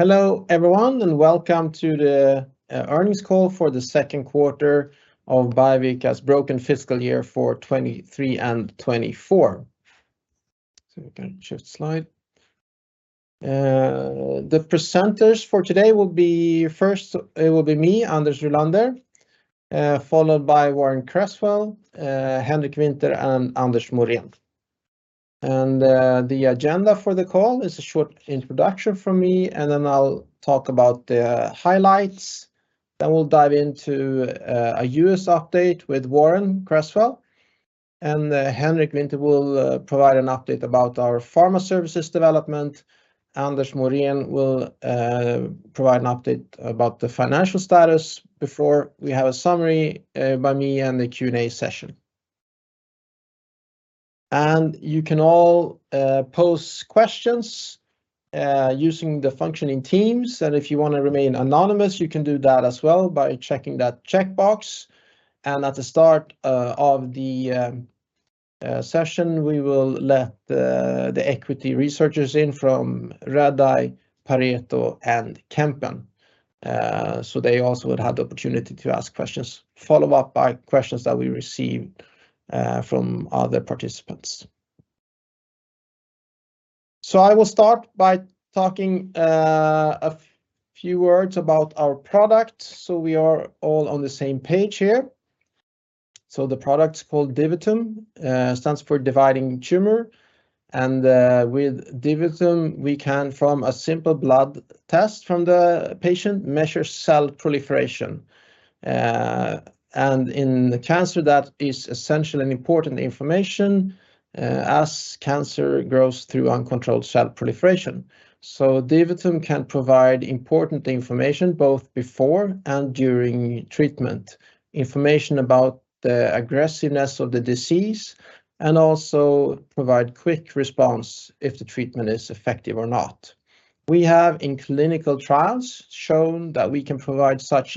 Hello, everyone, and welcome to the earnings call for the second quarter of Biovica's broken fiscal year for 2023 and 2024. We can shift slide. The presenters for today will be, first, it will be me, Anders Rylander, followed by Warren Cresswell, Henrik Winther, and Anders Morén. The agenda for the call is a short introduction from me, and then I'll talk about the highlights. We'll dive into a U.S. update with Warren Cresswell, and Henrik Winther will provide an update about our pharma services development. Anders Morén will provide an update about the financial status before we have a summary by me and the Q&A session. You can all pose questions using the function in Teams, and if you wanna remain anonymous, you can do that as well by checking that checkbox. At the start of the session, we will let the equity researchers in from Redeye, Pareto, and Kempen, so they also would have the opportunity to ask questions, followed up by questions that we receive from other participants. I will start by talking a few words about our product, so we are all on the same page here. The product's called DiviTum, stands for dividing tumor, and with DiviTum, we can from a simple blood test from the patient measure cell proliferation. And in the cancer, that is essential and important information as cancer grows through uncontrolled cell proliferation. DiviTum can provide important information both before and during treatment, information about the aggressiveness of the disease, and also provide quick response if the treatment is effective or not. We have, in clinical trials, shown that we can provide such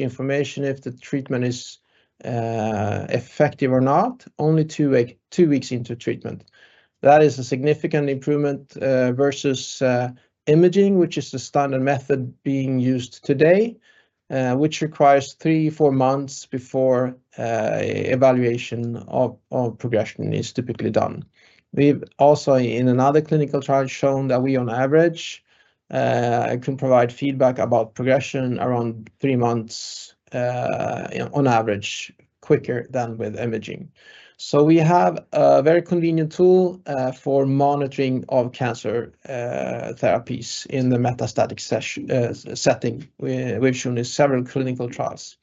information if the treatment is effective or not, only two week, two weeks into treatment. That is a significant improvement versus imaging, which is the standard method being used today, which requires three-four months before evaluation of progression is typically done. We've also, in another clinical trial, shown that we, on average, can provide feedback about progression around three months, on average, quicker than with imaging. So we have a very convenient tool for monitoring of cancer therapies in the metastatic setting, where we've shown in several clinical trials.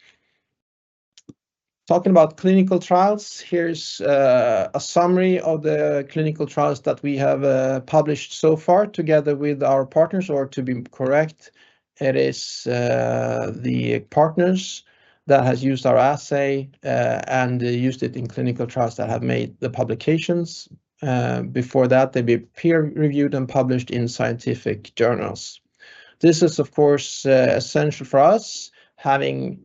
Talking about clinical trials, here's a summary of the clinical trials that we have published so far together with our partners, or to be correct, it is the partners that has used our assay and used it in clinical trials that have made the publications. Before that, they've been peer-reviewed and published in scientific journals. This is, of course, essential for us, having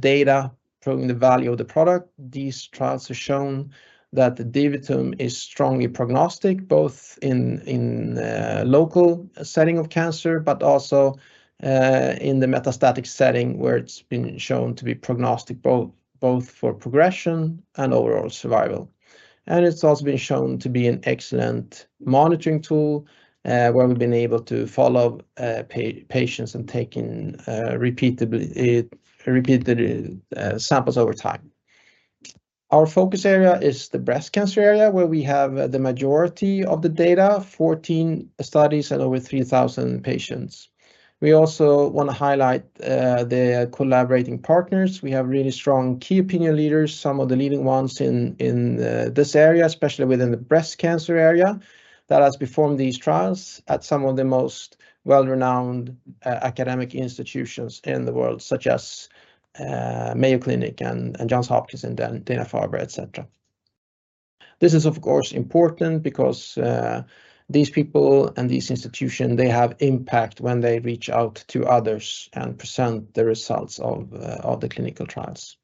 data proving the value of the product. These trials have shown that the DiviTum is strongly prognostic, both in local setting of cancer, but also in the metastatic setting, where it's been shown to be prognostic both for progression and overall survival. And it's also been shown to be an excellent monitoring tool, where we've been able to follow patients and taking repeated samples over time. Our focus area is the breast cancer area, where we have the majority of the data, 14 studies and over 3,000 patients. We also want to highlight the collaborating partners. We have really strong key opinion leaders, some of the leading ones in this area, especially within the breast cancer area, that has performed these trials at some of the most well-renowned academic institutions in the world, such as Mayo Clinic and Johns Hopkins, and then Dana-Farber, et cetera. This is, of course, important because these people and these institutions, they have impact when they reach out to others and present the results of the clinical trials.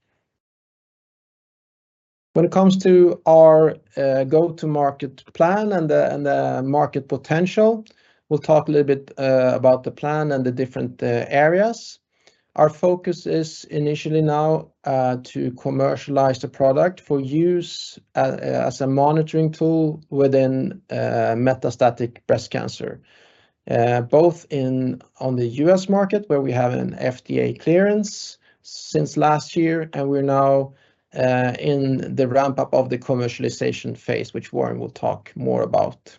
When it comes to our go-to-market plan and the market potential, we'll talk a little bit about the plan and the different areas. Our focus is initially now to commercialize the product for use as a monitoring tool within metastatic breast cancer both in on the U.S. market, where we have an FDA clearance since last year, and we're now in the ramp-up of the commercialization phase, which Warren will talk more about.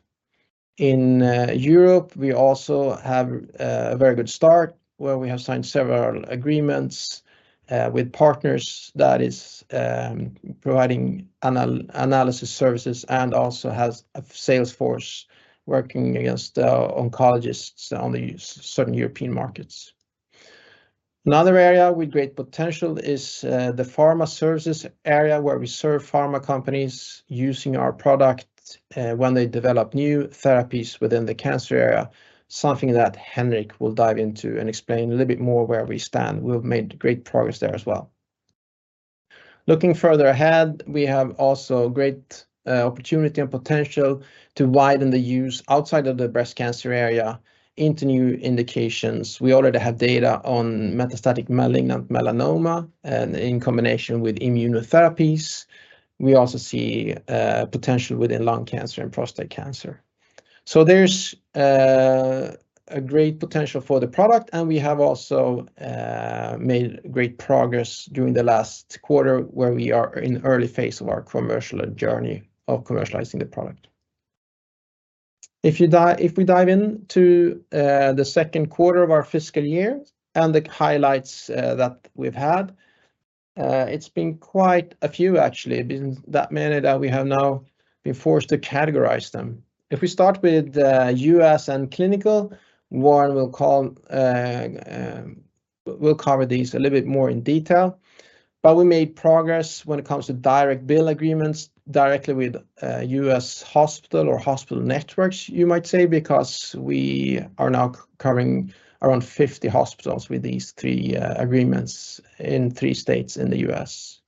In Europe, we also have a very good start, where we have signed several agreements with partners that is providing analysis services and also has a sales force working against the oncologists in certain European markets. Another area with great potential is the pharma services area, where we serve pharma companies using our product when they develop new therapies within the cancer area, something that Henrik will dive into and explain a little bit more where we stand. We have made great progress there as well. Looking further ahead, we have also great opportunity and potential to widen the use outside of the breast cancer area into new indications. We already have data on metastatic malignant melanoma, and in combination with immunotherapies, we also see potential within lung cancer and prostate cancer. So there's a great potential for the product, and we have also made great progress during the last quarter, where we are in early phase of our commercial journey of commercializing the product. If we dive into the second quarter of our fiscal year and the highlights that we've had, it's been quite a few, actually. Been that many that we have now been forced to categorize them. If we start with U.S. and clinical, Warren will call, we'll cover these a little bit more in detail. But we made progress when it comes to direct bill agreements, directly with U.S. hospital or hospital networks, you might say, because we are now covering around 50 hospitals with these three agreements in three states in the U.S.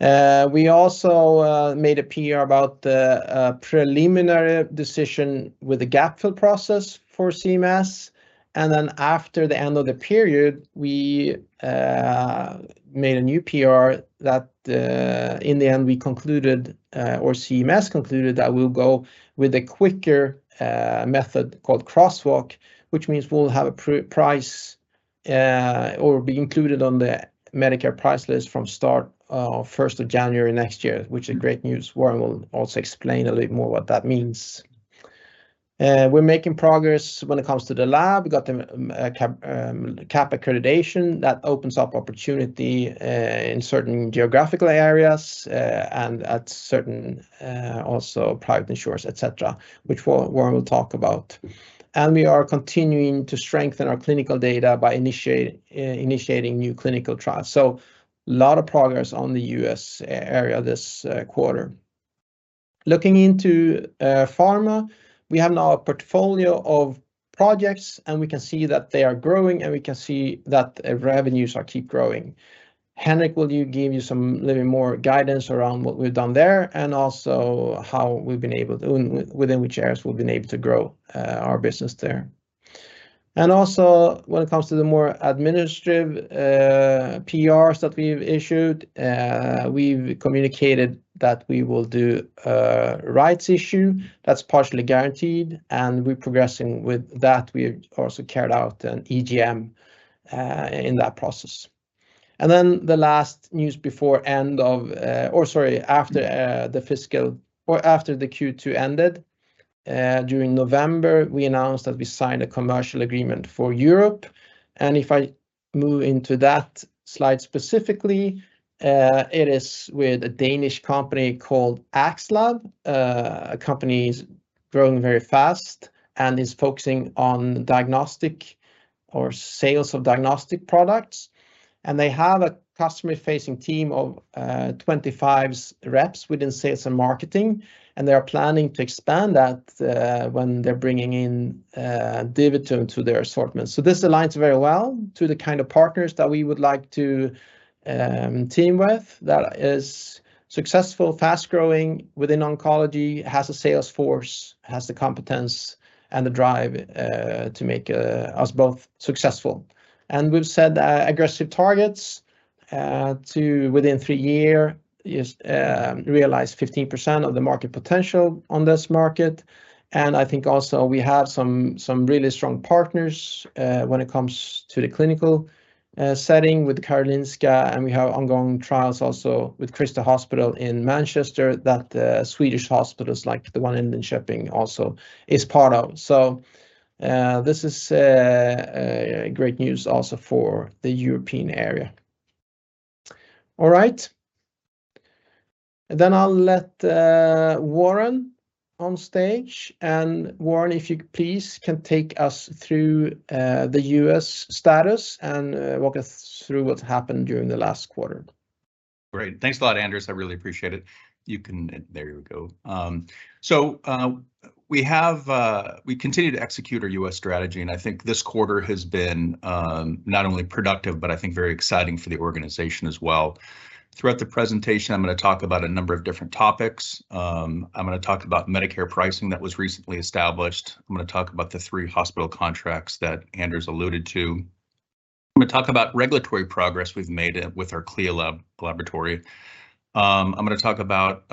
We also made a PR about the preliminary decision with the gap fill process for CMS, and then after the end of the period, we made a new PR that in the end, we concluded or CMS concluded that we'll go with a quicker method called crosswalk, which means we'll have a price or be included on the Medicare price list from start, first of January next year, which is great news. Warren will also explain a little more what that means. We're making progress when it comes to the lab. We got the CAP accreditation. That opens up opportunity in certain geographical areas, and at certain also private insurers, et cetera, which Warren will talk about. And we are continuing to strengthen our clinical data by initiating initiating new clinical trials. So a lot of progress on the U.S. area this quarter. Looking into pharma, we have now a portfolio of projects, and we can see that they are growing, and we can see that revenues are keep growing. Henrik will you give you some little more guidance around what we've done there, and also how we've been able to... within which areas we've been able to grow our business there. And also, when it comes to the more administrative PRs that we've issued, we've communicated that we will do a rights issue that's partially guaranteed, and we're progressing with that. We also carried out an EGM in that process. And then the last news before end of, or sorry, after, the fiscal or after the Q2 ended, during November, we announced that we signed a commercial agreement for Europe, and if I move into that slide specifically, it is with a Danish company called Axlab. A company growing very fast and is focusing on diagnostic or sales of diagnostic products, and they have a customer-facing team of 25 reps within sales and marketing, and they are planning to expand that when they're bringing in DiviTum to their assortment. So this aligns very well to the kind of partners that we would like to team with, that is successful, fast-growing within oncology, has a sales force, has the competence and the drive to make us both successful. And we've set aggressive targets to within three year realize 15% of the market potential on this market. And I think also we have some, some really strong partners when it comes to the clinical setting with the Karolinska, and we have ongoing trials also with Christie Hospital in Manchester, that Swedish hospitals, like the one in Linköping, also is part of. So this is great news also for the European area. All right. Then I'll let Warren on stage. And Warren, if you please, can take us through the U.S. status and walk us through what's happened during the last quarter. Great. Thanks a lot, Anders. I really appreciate it. You can... There you go. So, we continue to execute our U.S. strategy, and I think this quarter has been not only productive, but I think very exciting for the organization as well. Throughout the presentation, I'm gonna talk about a number of different topics. I'm gonna talk about Medicare pricing that was recently established. I'm gonna talk about the three hospital contracts that Anders alluded to. I'm gonna talk about regulatory progress we've made with our CLIA lab laboratory. I'm gonna talk about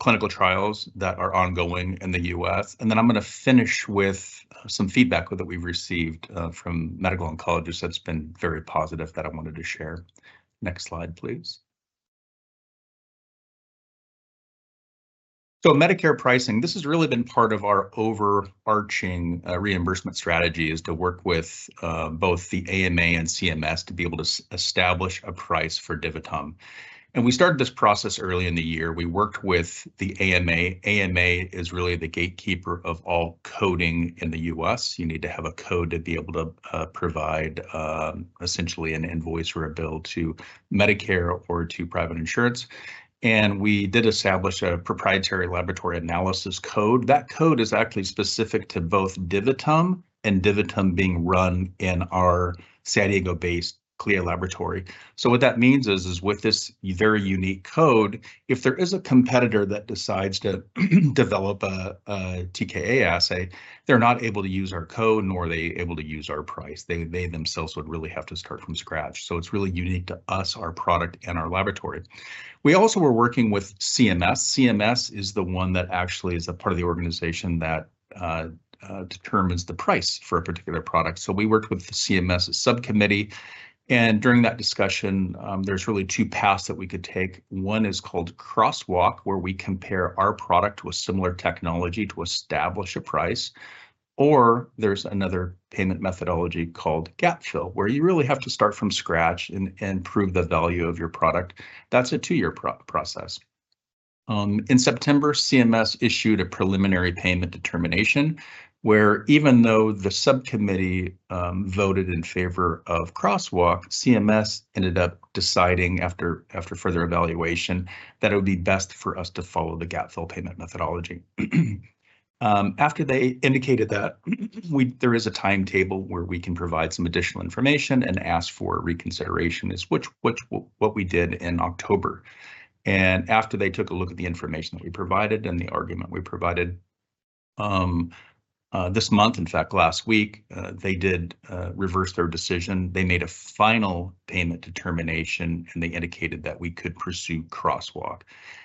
clinical trials that are ongoing in the U.S., and then I'm gonna finish with some feedback that we've received from medical oncologists that's been very positive that I wanted to share. Next slide, please. So Medicare pricing, this has really been part of our overarching reimbursement strategy, is to work with both the AMA and CMS to be able to establish a price for DiviTum. And we started this process early in the year. We worked with the AMA. AMA is really the gatekeeper of all coding in the U.S. You need to have a code to be able to provide essentially an invoice or a bill to Medicare or to private insurance. And we did establish a proprietary laboratory analysis code. That code is actually specific to both DiviTum and DiviTum being run in our San Diego-based CLIA laboratory. So what that means is with this very unique code, if there is a competitor that decides to develop a TKa assay, they're not able to use our code, nor are they able to use our price. They, they themselves would really have to start from scratch. So it's really unique to us, our product, and our laboratory. We also were working with CMS. CMS is the one that actually is a part of the organization that determines the price for a particular product. So we worked with the CMS subcommittee, and during that discussion, there's really two paths that we could take. One is called crosswalk, where we compare our product with similar technology to establish a price. Or there's another payment methodology called gap fill, where you really have to start from scratch and prove the value of your product. That's a two-year process. In September, CMS issued a preliminary payment determination, where even though the subcommittee voted in favor of crosswalk, CMS ended up deciding after further evaluation that it would be best for us to follow the gap fill payment methodology. After they indicated that, there is a timetable where we can provide some additional information and ask for reconsideration, what we did in October. And after they took a look at the information that we provided and the argument we provided, this month, in fact, last week, they did reverse their decision. They made a final payment determination, and they indicated that we could pursue crosswalk.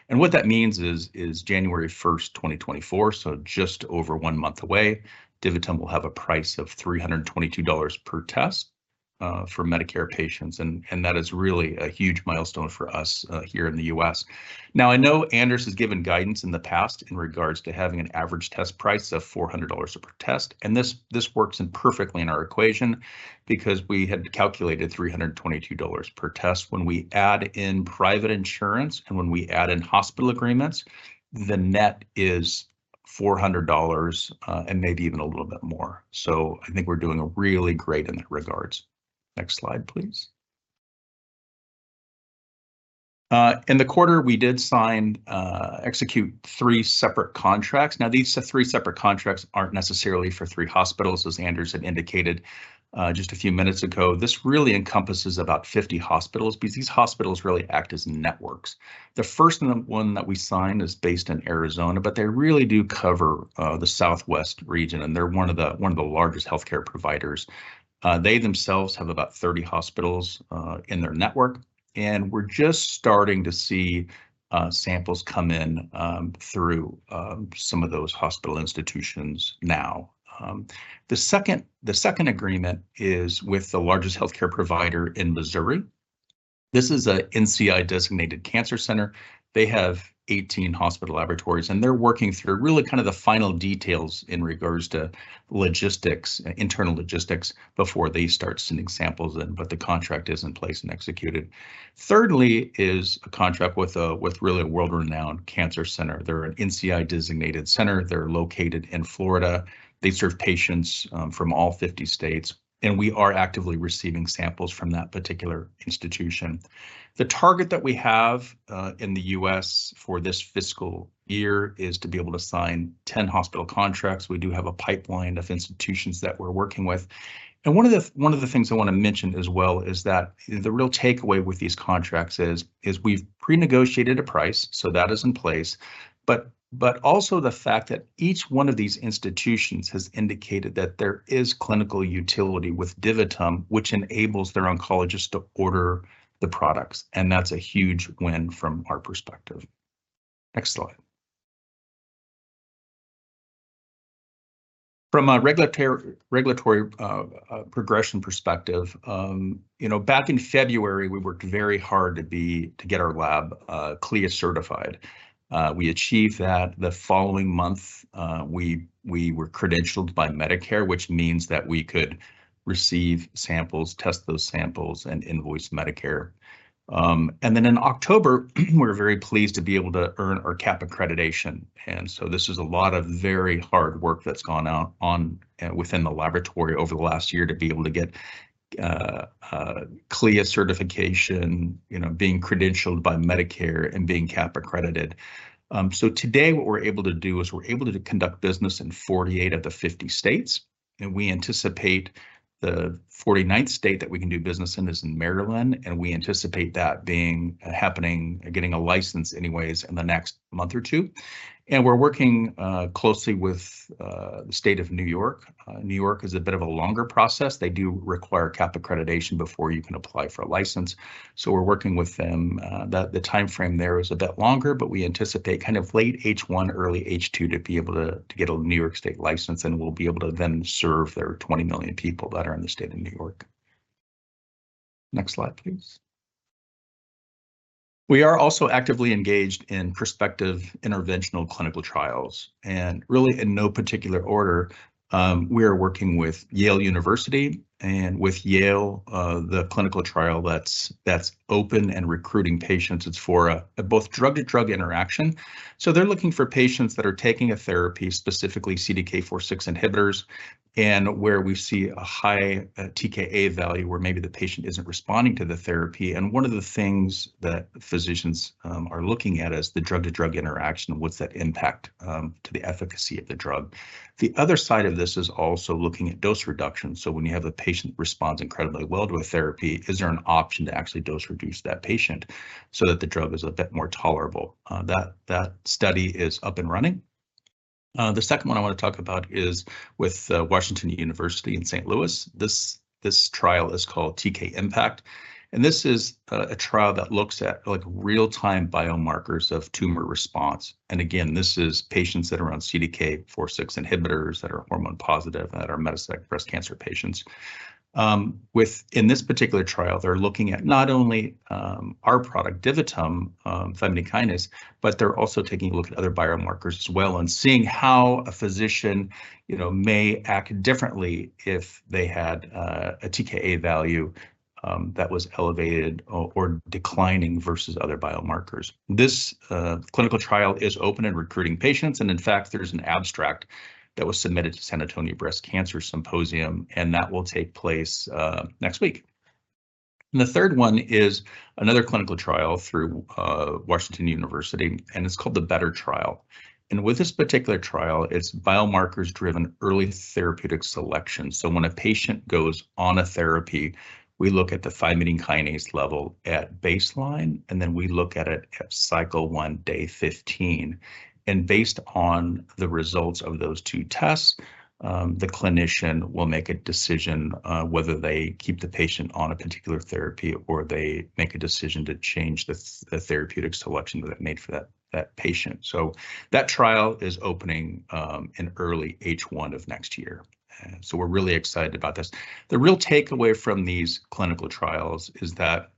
And what that means is January 1, 2024, so just over one month away, DiviTum will have a price of $322 per test for Medicare patients. That is really a huge milestone for us here in the U.S. Now, I know Anders has given guidance in the past in regards to having an average test price of $400 per test, and this, this works in perfectly in our equation because we had calculated $322 per test. When we add in private insurance and when we add in hospital agreements, the net is $400, and maybe even a little bit more. So I think we're doing really great in that regards. Next slide, please. In the quarter, we did sign, execute three separate contracts. Now, these three separate contracts aren't necessarily for three hospitals, as Anders had indicated just a few minutes ago. This really encompasses about 50 hospitals, because these hospitals really act as networks. The first one that we signed is based in Arizona, but they really do cover the Southwest region, and they're one of the largest healthcare providers. They themselves have about 30 hospitals in their network, and we're just starting to see samples come in through some of those hospital institutions now. The second agreement is with the largest healthcare provider in Missouri. This is an NCI-designated cancer center. They have 18 hospital laboratories, and they're working through really kind of the final details in regards to logistics, internal logistics, before they start sending samples in, but the contract is in place and executed. Thirdly is a contract with really a world-renowned cancer center. They're an NCI-designated center. They're located in Florida. They serve patients from all 50 states, and we are actively receiving samples from that particular institution. The target that we have in the U.S. for this fiscal year is to be able to sign 10 hospital contracts. We do have a pipeline of institutions that we're working with. One of the things I want to mention as well is that the real takeaway with these contracts is we've prenegotiated a price, so that is in place. But also the fact that each one of these institutions has indicated that there is clinical utility with DiviTum, which enables their oncologists to order the products, and that's a huge win from our perspective. Next slide. From a regulatory progression perspective, you know, back in February, we worked very hard to get our lab CLIA-certified. We achieved that. The following month, we were credentialed by Medicare, which means that we could receive samples, test those samples, and invoice Medicare. And then in October, we were very pleased to be able to earn our CAP accreditation, and so this is a lot of very hard work that's gone on within the laboratory over the last year to be able to get a CLIA certification, you know, being credentialed by Medicare and being CAP accredited. So today, what we're able to do is we're able to conduct business in 48 of the 50 states, and we anticipate the 49th state that we can do business in is in Maryland, and we anticipate that being happening, getting a license anyways in the next month or two. And we're working closely with the state of New York. New York is a bit of a longer process. They do require CAP accreditation before you can apply for a license, so we're working with them. The timeframe there is a bit longer, but we anticipate kind of late H1, early H2, to be able to get a New York State license, and we'll be able to then serve their 20 million people that are in the state of New York. Next slide, please. We are also actively engaged in prospective interventional clinical trials, and really, in no particular order, we are working with Yale University. With Yale, the clinical trial that's open and recruiting patients, it's for both drug-to-drug interaction. So they're looking for patients that are taking a therapy, specifically CDK4/6 inhibitors, and where we see a high TKa value, where maybe the patient isn't responding to the therapy. And one of the things that physicians are looking at is the drug-to-drug interaction, and what's that impact to the efficacy of the drug? The other side of this is also looking at dose reduction. So when you have a patient responds incredibly well to a therapy, is there an option to actually dose reduce that patient so that the drug is a bit more tolerable? That study is up and running. The second one I wanna talk about is with Washington University in St. Louis. This trial is called TKa IMPACT, and this is a trial that looks at, like, real-time biomarkers of tumor response. And again, this is patients that are on CDK4/6 inhibitors, that are hormone-positive, that are metastatic breast cancer patients. Within this particular trial, they're looking at not only our product, DiviTum thymidine kinase, but they're also taking a look at other biomarkers as well, and seeing how a physician, you know, may act differently if they had a TKa value that was elevated or declining versus other biomarkers. This clinical trial is open and recruiting patients, and in fact, there's an abstract that was submitted to San Antonio Breast Cancer Symposium, and that will take place next week. And the third one is another clinical trial through Washington University, and it's called the Better Trial. And with this particular trial, it's biomarkers-driven early therapeutic selection. So when a patient goes on a therapy, we look at the thymidine kinase level at baseline, and then we look at it at cycle one, day 15. And based on the results of those two tests, the clinician will make a decision whether they keep the patient on a particular therapy, or they make a decision to change the therapeutic selection that they made for that patient. So that trial is opening in early H1 of next year, so we're really excited about this. The real takeaway from these clinical trials is that,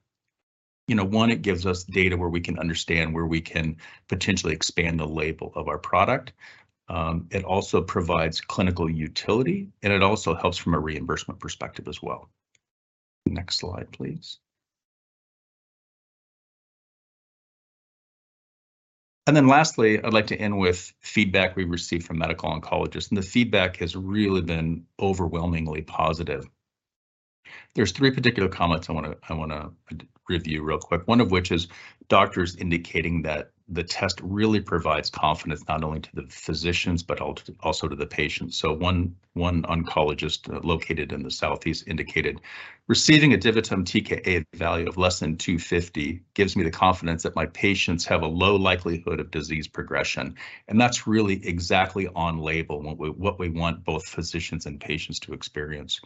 you know, one, it gives us data where we can understand where we can potentially expand the label of our product. It also provides clinical utility, and it also helps from a reimbursement perspective as well. Next slide, please. Then lastly, I'd like to end with feedback we received from medical oncologists, and the feedback has really been overwhelmingly positive. There's three particular comments I wanna review real quick. One of which is doctors indicating that the test really provides confidence, not only to the physicians, but also to the patients. So one oncologist located in the Southeast indicated, "Receiving a DiviTum TKa value of less than 250 gives me the confidence that my patients have a low likelihood of disease progression." And that's really exactly on label, what we want both physicians and patients to experience.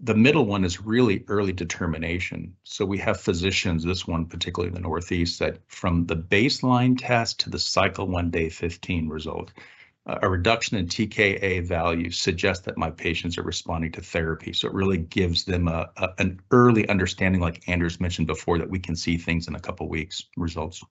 The middle one is really early determination. So we have physicians, this one, particularly in the Northeast, that from the baseline test to the cycle one, day 15 result, "A reduction in TKa values suggest that my patients are responding to therapy." So it really gives them an early understanding, like Anders mentioned before, that we can see things in a couple of weeks, results.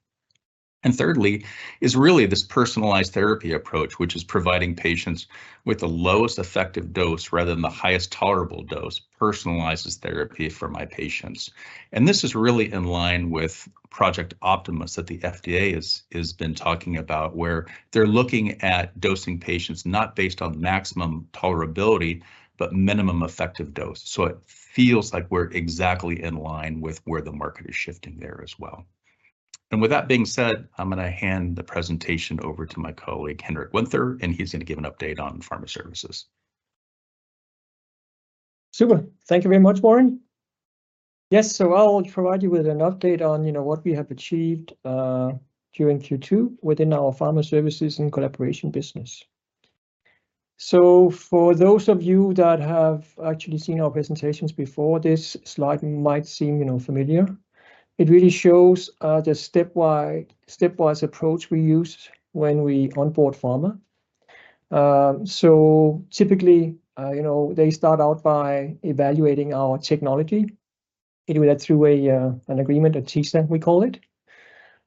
And thirdly is really this personalized therapy approach, which is providing patients with the lowest effective dose rather than the highest tolerable dose, "personalizes therapy for my patients." And this is really in line with Project Optimus, that the FDA is been talking about, where they're looking at dosing patients, not based on maximum tolerability, but minimum effective dose. So it feels like we're exactly in line with where the market is shifting there as well. With that being said, I'm gonna hand the presentation over to my colleague, Henrik Winther, and he's gonna give an update on Pharma Services. Super. Thank you very much, Warren. Yes, so I'll provide you with an update on, you know, what we have achieved during Q2 within our Pharma Services and Collaboration business. So for those of you that have actually seen our presentations before, this slide might seem, you know, familiar. It really shows the stepwise approach we use when we onboard pharma. Typically, you know, they start out by evaluating our technology, and we do that through an agreement, a TSA, we call it.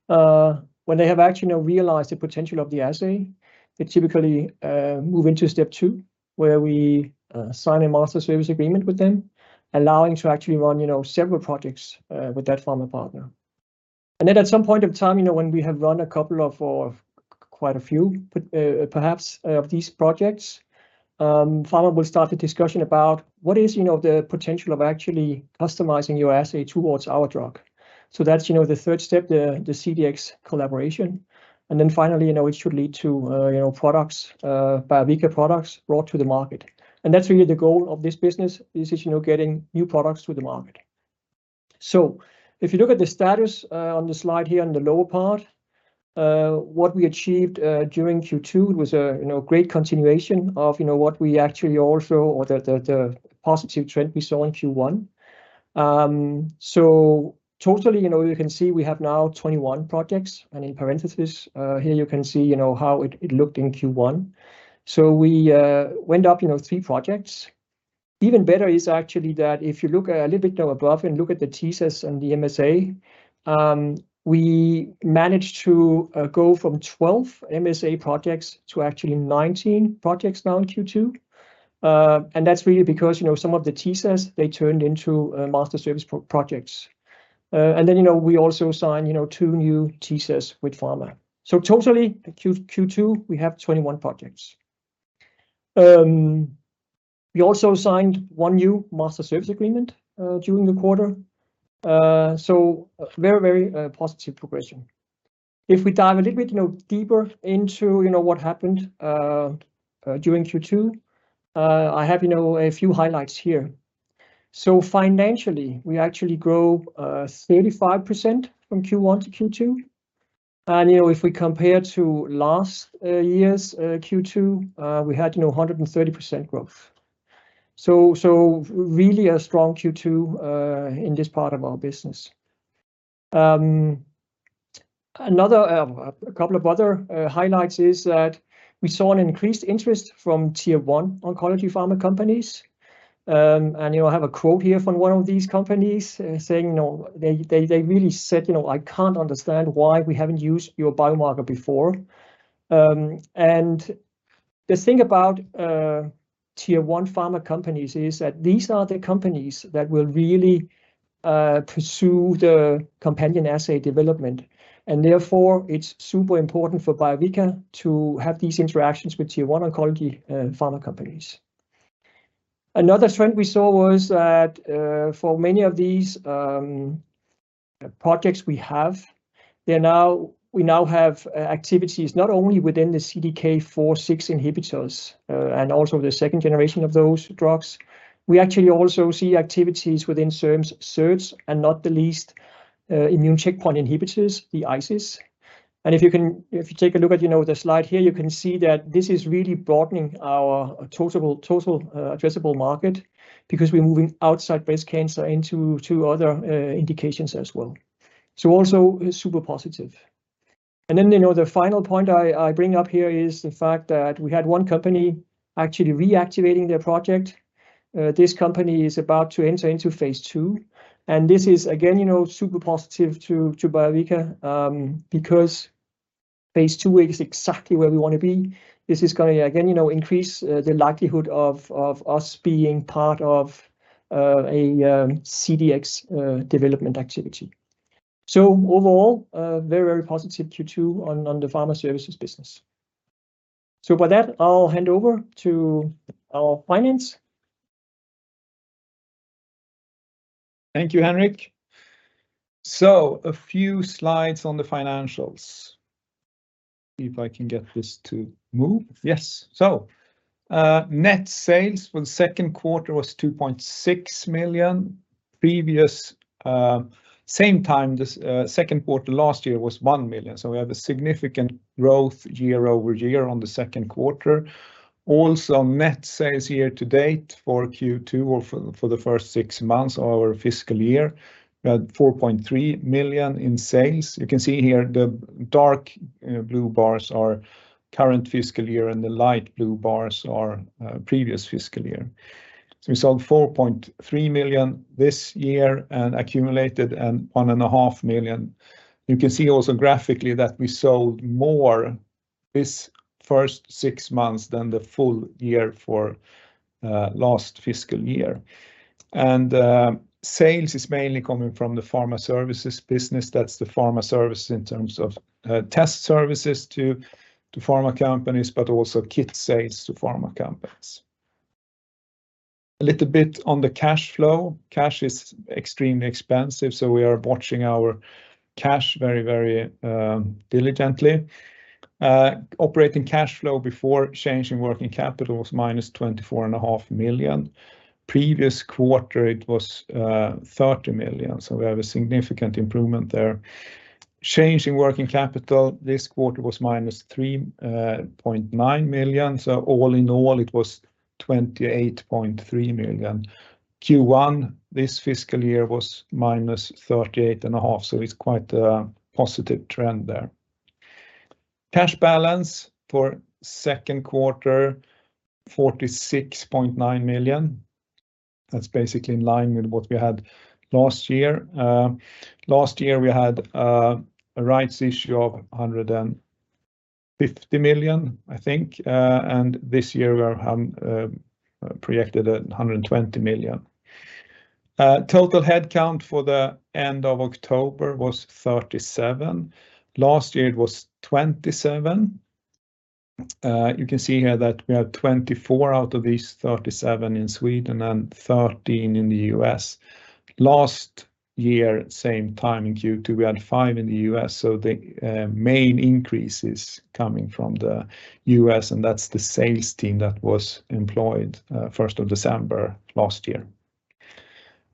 When they have actually now realized the potential of the assay, they typically move into step two, where we sign a master service agreement with them, allowing to actually run, you know, several projects with that pharma partner. And then at some point of time, you know, when we have run a couple of, or quite a few of these projects, pharma will start a discussion about what is, you know, the potential of actually customizing your assay towards our drug. So that's, you know, the third step, the CDx collaboration. And then finally, you know, it should lead to, you know, products, Biovica products brought to the market. And that's really the goal of this business, is, you know, getting new products to the market. So if you look at the status, on the slide here on the lower part, what we achieved during Q2 was a, you know, great continuation of, you know, what we actually also or the positive trend we saw in Q1. So... Totally, you know, you can see we have now 21 projects, and in parenthesis, here you can see, you know, how it looked in Q1. So we went up, you know, three projects. Even better is actually that if you look a little bit now above and look at the TSAs and the MSA, we managed to go from 12 MSA projects to actually 19 projects now in Q2. And that's really because, you know, some of the TSAs, they turned into master service projects. And then, you know, we also signed, you know, two new TSAs with pharma. So totally, Q2, we have 21 projects. We also signed 1 new master service agreement during the quarter. So very, very positive progression. If we dive a little bit, you know, deeper into, you know, what happened during Q2, I have, you know, a few highlights here. So financially, we actually grew 35% from Q1 to Q2, and, you know, if we compare to last year's Q2, we had, you know, 130% growth. So really a strong Q2 in this part of our business. Another couple of other highlights is that we saw an increased interest from Tier one oncology pharma companies. You know, I have a quote here from one of these companies, saying, you know, they really said, "You know, I can't understand why we haven't used your biomarker before." The thing about Tier one pharma companies is that these are the companies that will really pursue the companion assay development, and therefore, it's super important for Biovica to have these interactions with Tier one oncology pharma companies. Another trend we saw was that for many of these projects we have, we now have activities not only within the CDK4/6 inhibitors and also the second generation of those drugs. We actually also see activities within SERMs, SERDs, and not the least, immune checkpoint inhibitors, the ICIs. And if you can... If you take a look at, you know, the slide here, you can see that this is really broadening our total addressable market, because we're moving outside breast cancer into two other indications as well. So also, super positive. And then, you know, the final point I bring up here is the fact that we had one company actually reactivating their project. This company is about to enter into phase two, and this is, again, you know, super positive to Biovica, because phase two is exactly where we wanna be. This is gonna, again, you know, increase the likelihood of us being part of a CDx development activity. So overall, a very, very positive Q2 on the pharma services business. So with that, I'll hand over to our finance. Thank you, Henrik. So a few slides on the financials. See if I can get this to move. Yes, so, net sales for the second quarter was 2.6 million. Previous, same time, this, second quarter last year was 1 million, so we have a significant growth year-over-year on the second quarter. Also, net sales year to date for Q2 or for, for the first six months of our fiscal year, we had 4.3 million in sales. You can see here, the dark, blue bars are current fiscal year, and the light blue bars are, previous fiscal year. So we sold 4.3 million this year and accumulated a 1.5 million. You can see also graphically that we sold more this first six months than the full year for, last fiscal year. And, sales is mainly coming from the pharma services business. That's the pharma services in terms of, test services to, to pharma companies, but also kit sales to pharma companies. A little bit on the cash flow. Cash is extremely expensive, so we are watching our cash very, very diligently. Operating cash flow before changing working capital was -24.5 million. Previous quarter, it was 30 million, so we have a significant improvement there. Change in working capital this quarter was -3.09 million, so all in all, it was 28.3 million. Q1, this fiscal year, was -38.5 million, so it's quite a positive trend there. Cash balance for second quarter, 46.9 million. That's basically in line with what we had last year. Last year, we had a rights issue of 150 million, I think, and this year, we have projected 120 million. Total head count for the end of October was 37. Last year, it was 27. You can see here that we have 24 out of these 37 in Sweden and 13 in the U.S. Last year, same time in Q2, we had five in the U.S., so the main increase is coming from the U.S., and that's the sales team that was employed 1st of December last year.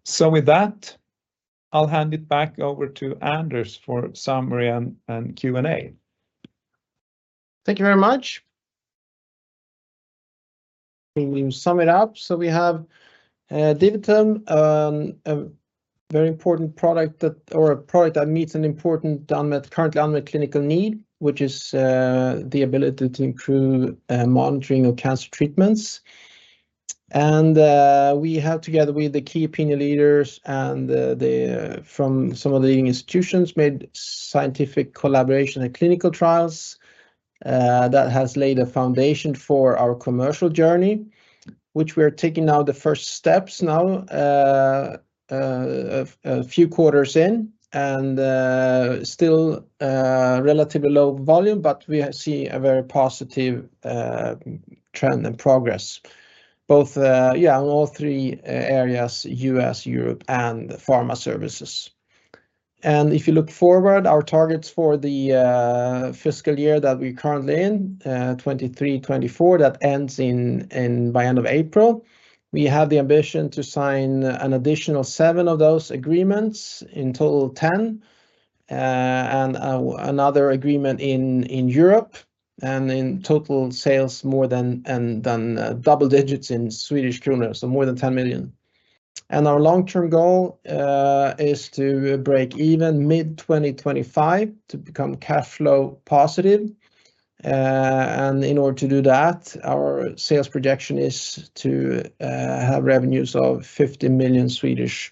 So with that, I'll hand it back over to Anders for summary and, and Q&A. Thank you very much. We sum it up, so we have DiviTum, a very important product that, or a product that meets an important unmet, currently unmet clinical need, which is the ability to improve monitoring of cancer treatments. And we have together with the key opinion leaders and the from some of the institutions made scientific collaboration and clinical trials that has laid a foundation for our commercial journey, which we are taking now the first steps now a few quarters in, and still relatively low volume, but we are see a very positive trend and progress both yeah on all three areas, U.S., Europe, and pharma services. If you look forward, our targets for the fiscal year that we're currently in, 2023, 2024, that ends by end of April, we have the ambition to sign an additional seven of those agreements, in total, 10. Another agreement in Europe, and in total sales more than double digits in SEK, so more than 10 million. Our long-term goal is to break even mid-2025, to become cash flow positive. In order to do that, our sales projection is to have revenues of 50 million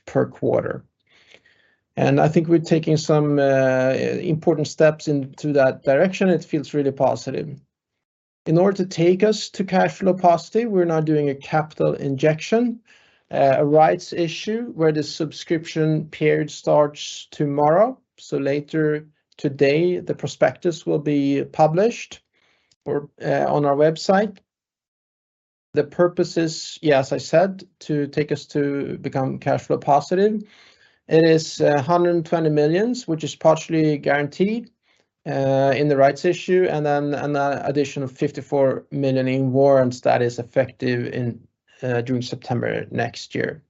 per quarter. I think we're taking some important steps in that direction. It feels really positive. In order to take us to cash flow positive, we're now doing a capital injection, a rights issue, where the subscription period starts tomorrow. So later today, the prospectus will be published or on our website. The purpose is, yeah, as I said, to take us to become cash flow positive. It is 120 million, which is partially guaranteed in the rights issue, and then an additional 54 million in warrants that is effective in during September next year.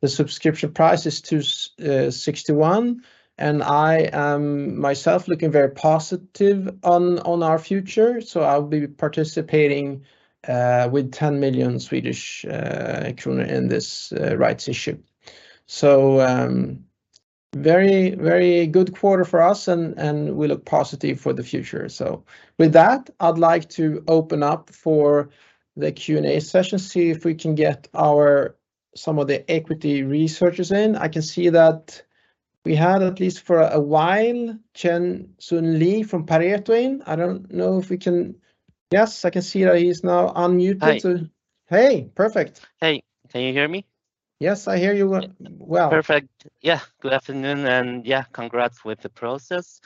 The subscription price is 261, and I am myself looking very positive on our future, so I'll be participating with 10 million Swedish kronor in this rights issue. So, very, very good quarter for us, and we look positive for the future. So with that, I'd like to open up for the Q&A session, see if we can get our... Some of the equity researchers in. I can see that we had, at least for a while, Chien-Hsun Lee from Pareto Securities. I don't know if we can... Yes, I can see that he's now unmuted. Hi. Hey, perfect. Hey, can you hear me? Yes, I hear you well. Perfect. Yeah, good afternoon, and yeah, congrats with the process.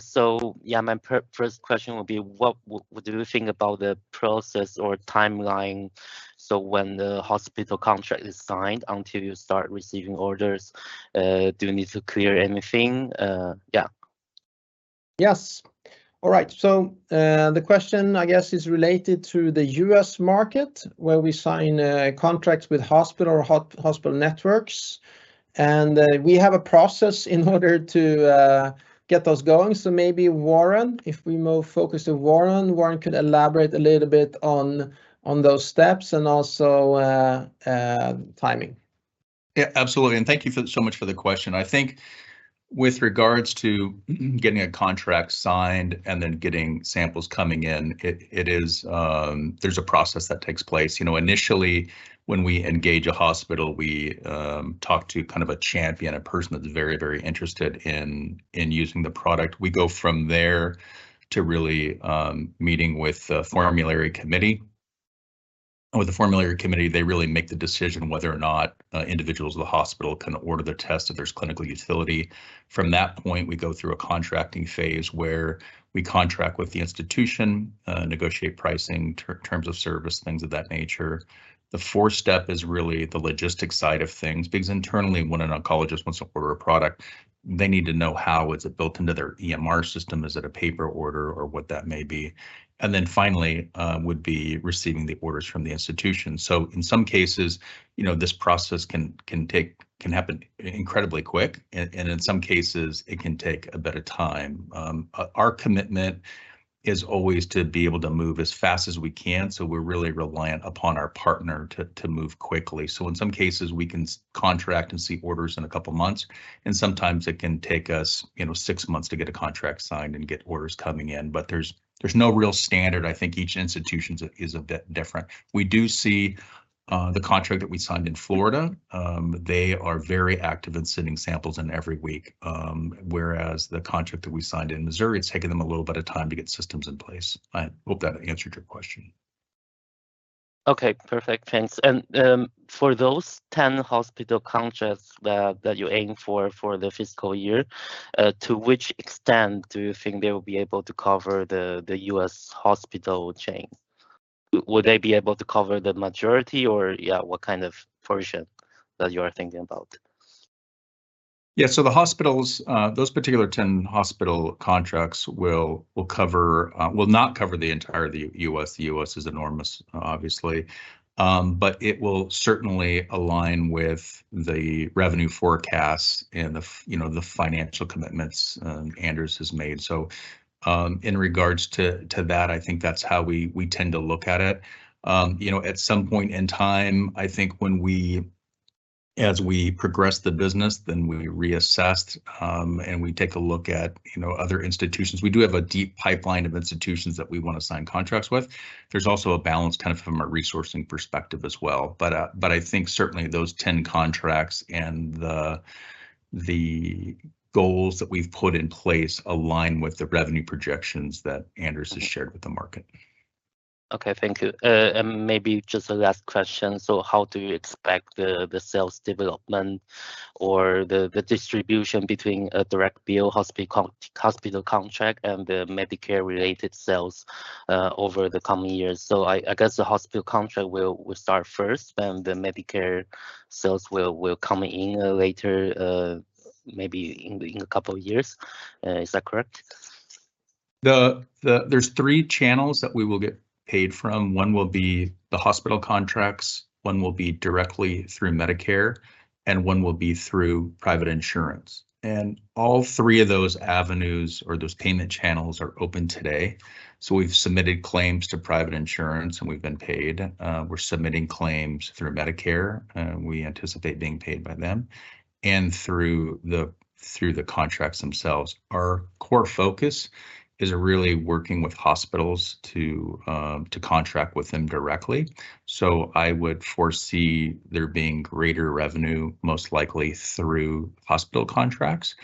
So yeah, my first question would be, what do you think about the process or timeline? So when the hospital contract is signed until you start receiving orders, do you need to clear anything? Yeah. Yes. All right, so the question, I guess, is related to the U.S. market, where we sign contracts with hospital or hospital networks, and we have a process in order to get those going. So maybe Warren, if we move focus to Warren, Warren could elaborate a little bit on those steps and also timing. Yeah, absolutely, and thank you so much for the question. I think with regards to getting a contract signed and then getting samples coming in, it is, there's a process that takes place. You know, initially, when we engage a hospital, we talk to kind of a champion, a person that's very, very interested in using the product. We go from there to really meeting with the formulary committee. And with the formulary committee, they really make the decision whether or not individuals of the hospital can order the test if there's clinical utility. From that point, we go through a contracting phase where we contract with the institution, negotiate pricing, terms of service, things of that nature. The fourth step is really the logistic side of things, because internally, when an oncologist wants to order a product, they need to know how is it built into their EMR system, is it a paper order, or what that may be. Then finally, would be receiving the orders from the institution. So in some cases, you know, this process can happen incredibly quick, and in some cases, it can take a better time. Our commitment is always to be able to move as fast as we can, so we're really reliant upon our partner to move quickly. So in some cases, we can contract and see orders in a couple of months, and sometimes it can take us, you know, six months to get a contract signed and get orders coming in. But there's no real standard. I think each institution is a bit different. We do see, the contract that we signed in Florida, they are very active in sending samples in every week, whereas the contract that we signed in Missouri, it's taking them a little bit of time to get systems in place. I hope that answered your question. Okay, perfect, thanks. And for those 10 hospital contracts that you aim for the fiscal year, to which extent do you think they will be able to cover the U.S. hospital chain? Would they be able to cover the majority, or yeah, what kind of portion that you are thinking about? Yeah, so the hospitals, those particular 10 hospital contracts will, will cover, will not cover the entire of the U.S. The U.S. is enormous, obviously. But it will certainly align with the revenue forecasts and the financial commitments Anders has made. So, in regards to that, I think that's how we tend to look at it. You know, at some point in time, I think when we as we progress the business, then we reassess, and we take a look at, you know, other institutions. We do have a deep pipeline of institutions that we want to sign contracts with. There's also a balance, kind of, from a resourcing perspective as well. I think certainly those 10 contracts and the goals that we've put in place align with the revenue projections that Anders has shared with the market. Okay, thank you. And maybe just a last question. So how do you expect the sales development or the distribution between a direct bill hospital contract and the Medicare-related sales over the coming years? So I guess the hospital contract will start first, then the Medicare sales will come in later, maybe in a couple of years. Is that correct? There's three channels that we will get paid from. One will be the hospital contracts, one will be directly through Medicare, and one will be through private insurance. And all three of those avenues or those payment channels are open today. So we've submitted claims to private insurance, and we've been paid. We're submitting claims through Medicare, and we anticipate being paid by them, and through the contracts themselves. Our core focus is really working with hospitals to contract with them directly. So I would foresee there being greater revenue, most likely through hospital contracts.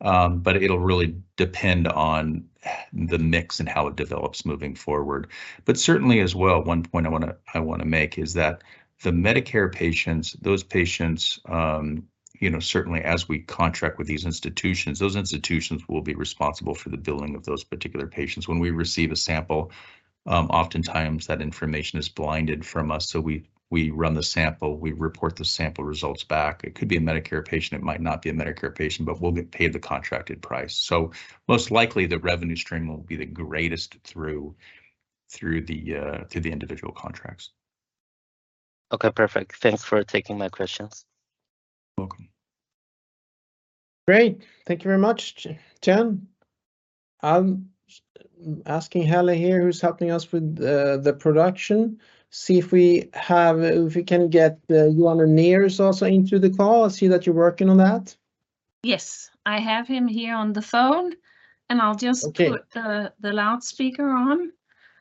But it'll really depend on the mix and how it develops moving forward. But certainly as well, one point I wanna make is that the Medicare patients, those patients, you know, certainly as we contract with these institutions, those institutions will be responsible for the billing of those particular patients. When we receive a sample, oftentimes that information is blinded from us. So we run the sample, we report the sample results back. It could be a Medicare patient, it might not be a Medicare patient, but we'll get paid the contracted price. So most likely, the revenue stream will be the greatest through the individual contracts. Okay, perfect. Thanks for taking my questions. Welcome. Great. Thank you very much, Chien. I'm asking Helle here, who's helping us with the production, see if we can get Johan Unnérus also into the call. I see that you're working on that. Yes, I have him here on the phone, and I'll just- Okay. Put the loudspeaker on.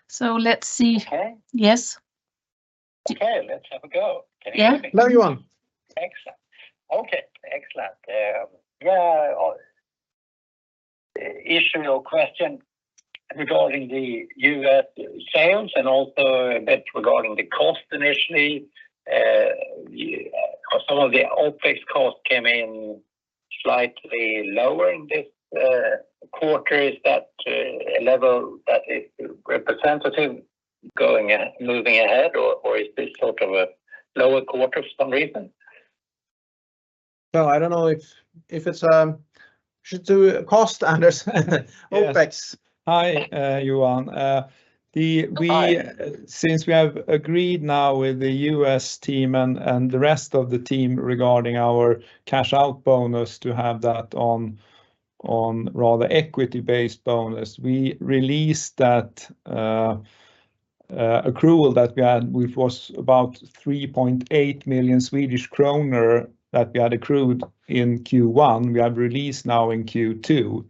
So let's see. Okay. Yes. Okay, let's have a go. Can you hear me? Yeah. Now you're on. Excellent. Okay, excellent. Yeah, issue or question regarding the U.S. sales and also a bit regarding the cost initially. Some of the OpEx costs came in slightly lower in this quarter. Is that a level that is representative going, moving ahead, or, or is this sort of a lower quarter for some reason? Well, I don't know if it's should do a cost, Anders? OpEx. Yes. Hi, Johan. Hi... we, since we have agreed now with the U.S. team and, and the rest of the team regarding our cash out bonus, to have that on, on rather equity-based bonus, we released that accrual that we had, which was about 3.8 million Swedish kronor that we had accrued in Q1, we have released now in Q2.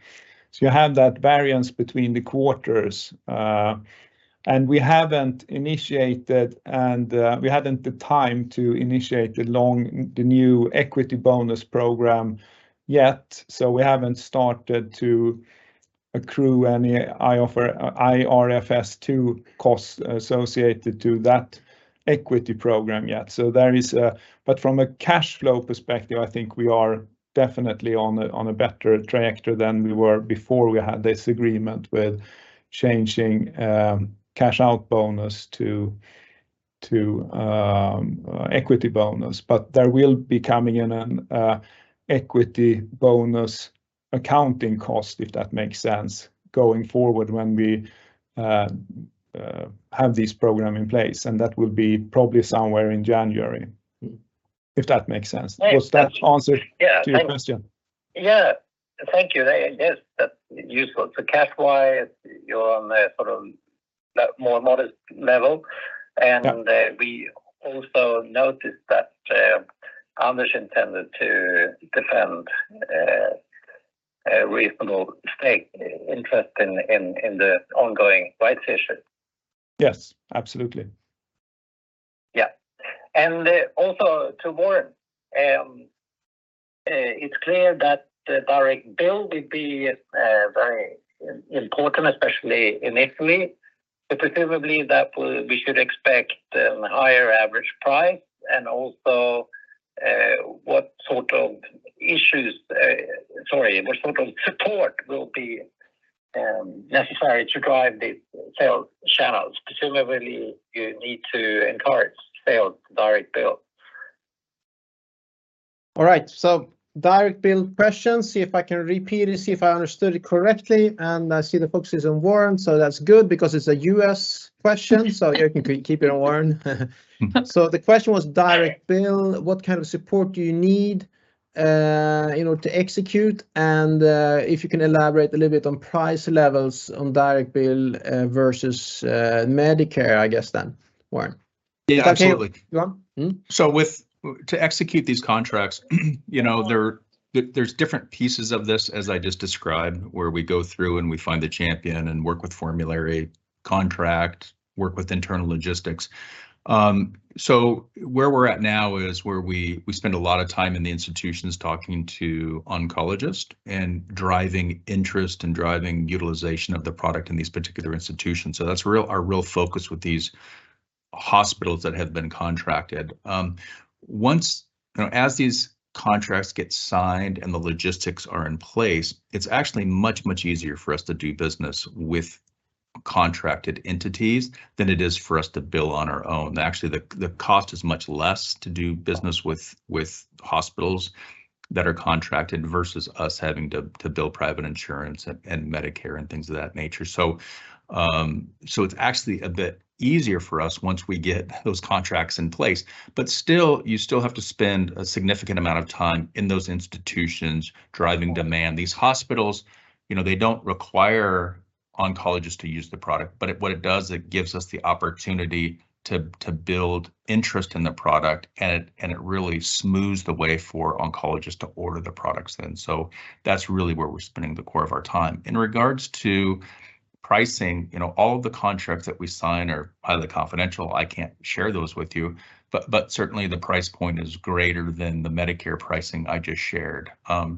So you have that variance between the quarters. And we haven't initiated and, we hadn't the time to initiate the new equity bonus program yet. So we haven't started to accrue any IFRS 2 costs associated to that equity program yet. So there is a... But from a cash flow perspective, I think we are definitely on a better trajectory than we were before we had this agreement with changing cash out bonus to equity bonus. But there will be coming in an equity bonus accounting cost, if that makes sense, going forward when we have this program in place, and that will be probably somewhere in January. If that makes sense. Yeah. Does that answer- Yeah... to your question? Yeah. Thank you. That, yes, that's useful. Cash-wise, you're on a sort of more modest level. Yeah. We also noticed that Anders intended to defend a reasonable stake interest in the ongoing white session. Yes, absolutely. Yeah. And also to Warren, it's clear that the direct bill will be very important, especially initially, but presumably, we should expect higher average price. And also, what sort of support will be necessary to drive the sales channels? Presumably, you need to encourage sales, direct bill.... All right, so direct bill question, see if I can repeat it, see if I understood it correctly, and I see the focus is on Warren, so that's good because it's a U.S. question, so you can keep it on Warren. So the question was direct bill, what kind of support do you need, you know, to execute? And, if you can elaborate a little bit on price levels on direct bill versus Medicare, I guess then, Warren. Yeah, absolutely. Yeah. Mm-hmm. So, with to execute these contracts, you know, there, there's different pieces of this, as I just described, where we go through and we find the champion and work with formulary contract, work with internal logistics. So where we're at now is where we spend a lot of time in the institutions talking to oncologists and driving interest and driving utilization of the product in these particular institutions. So that's our real focus with these hospitals that have been contracted. Once, you know, as these contracts get signed and the logistics are in place, it's actually much, much easier for us to do business with contracted entities than it is for us to bill on our own. Actually, the cost is much less to do business with hospitals that are contracted versus us having to bill private insurance and Medicare and things of that nature. So, it's actually a bit easier for us once we get those contracts in place. But still, you still have to spend a significant amount of time in those institutions driving demand. These hospitals, you know, they don't require oncologists to use the product, but what it does, it gives us the opportunity to build interest in the product, and it really smooths the way for oncologists to order the products in. So that's really where we're spending the core of our time. In regards to pricing, you know, all the contracts that we sign are highly confidential. I can't share those with you, but certainly the price point is greater than the Medicare pricing I just shared.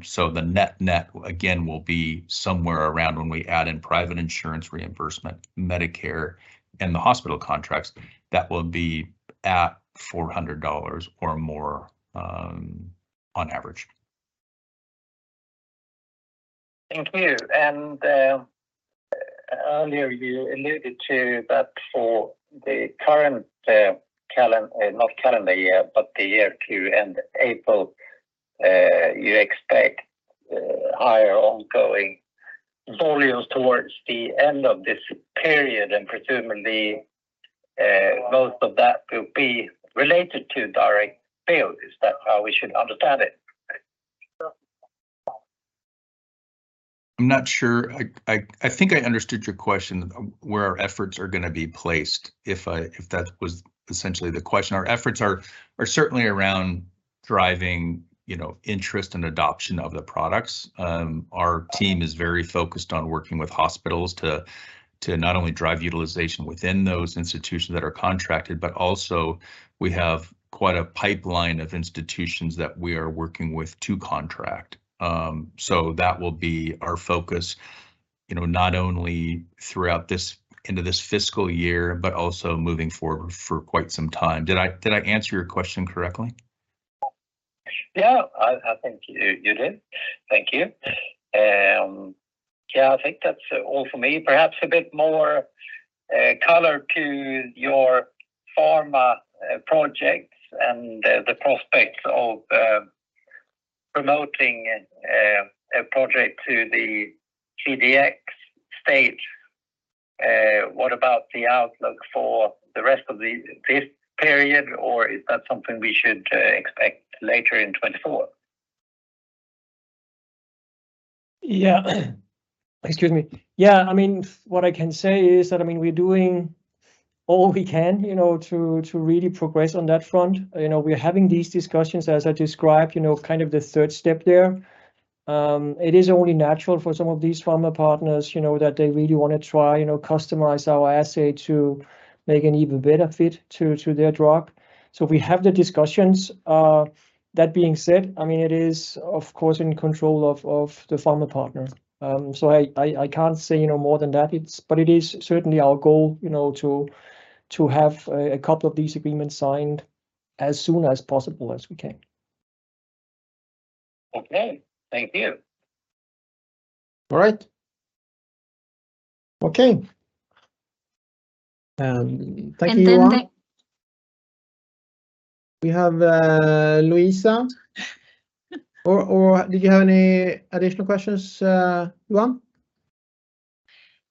So the net-net, again, will be somewhere around when we add in private insurance reimbursement, Medicare, and the hospital contracts, that will be at $400 or more, on average. Thank you. Earlier you alluded to that for the current, not calendar year, but the year to end April, you expect higher ongoing volumes towards the end of this period, and presumably most of that will be related to direct bills. Is that how we should understand it? I'm not sure. I think I understood your question, where our efforts are gonna be placed, if that was essentially the question. Our efforts are certainly around driving, you know, interest and adoption of the products. Our team is very focused on working with hospitals to not only drive utilization within those institutions that are contracted, but also we have quite a pipeline of institutions that we are working with to contract. So that will be our focus, you know, not only throughout this, into this fiscal year, but also moving forward for quite some time. Did I answer your question correctly? Yeah, I think you did. Thank you. Yeah, I think that's all for me. Perhaps a bit more color to your pharma projects and the prospects of promoting a project to the CDx stage. What about the outlook for the rest of this period, or is that something we should expect later in 2024? Yeah. Excuse me. Yeah, I mean, what I can say is that, I mean, we're doing all we can, you know, to, to really progress on that front. You know, we're having these discussions, as I described, you know, kind of the third step there. It is only natural for some of these pharma partners, you know, that they really wanna try, you know, customize our assay to make an even better fit to, to their drug. So we have the discussions. That being said, I mean, it is, of course, in control of, of the pharma partner. So I, I, I can't say, you know, more than that. It's, but it is certainly our goal, you know, to, to have a, a couple of these agreements signed as soon as possible as we can. Okay. Thank you. All right. Okay. Thank you, Johan. And then the- We have Luisa. Or did you have any additional questions, Johan?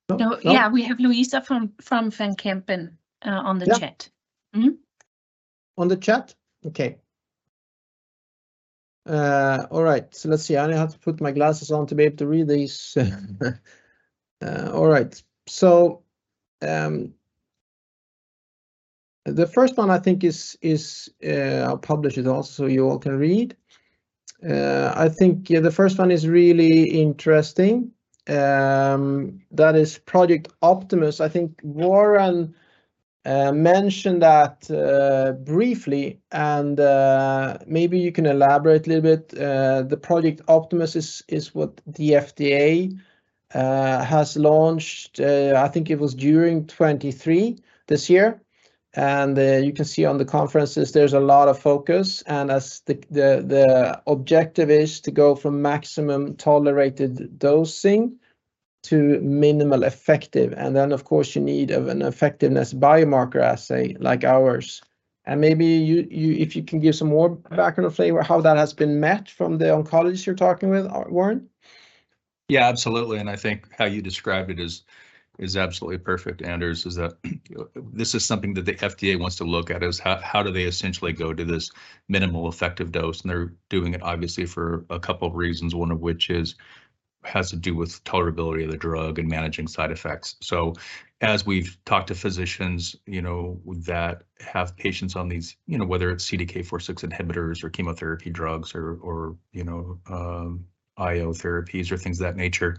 No. No. Yeah, we have Luisa from Kempen on the chat. Yeah. Mm-hmm. On the chat? Okay. All right, so let's see. I have to put my glasses on to be able to read these. All right, so, the first one I think is, I'll publish it all so you all can read. I think, yeah, the first one is really interesting. That is Project Optimus. I think Warren mentioned that briefly, and maybe you can elaborate a little bit. The Project Optimus is what the FDA has launched, I think it was during 2023, this year. And you can see on the conferences, there's a lot of focus, and as the objective is to go from maximum tolerated dosing to minimal effective, and then, of course, you need of an effectiveness biomarker assay, like ours. And maybe you, if you can give some more background or flavor how that has been met from the oncologists you're talking with, Warren? Yeah, absolutely, and I think how you described it is absolutely perfect, Anders, is that this is something that the FDA wants to look at, is how do they essentially go to this minimal effective dose? And they're doing it obviously for a couple of reasons, one of which is, has to do with tolerability of the drug and managing side effects. So as we've talked to physicians, you know, that have patients on these, you know, whether it's CDK4/6 inhibitors or chemotherapy drugs or you know IO therapies or things of that nature,